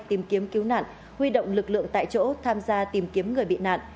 tìm kiếm cứu nạn huy động lực lượng tại chỗ tham gia tìm kiếm người bị nạn